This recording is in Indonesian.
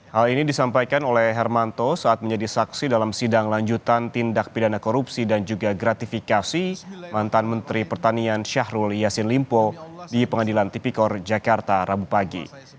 hal ini disampaikan oleh hermanto saat menjadi saksi dalam sidang lanjutan tindak pidana korupsi dan juga gratifikasi mantan menteri pertanian syahrul yassin limpo di pengadilan tipikor jakarta rabu pagi